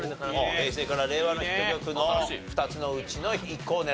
平成から令和のヒット曲の２つのうちの１個を狙うと。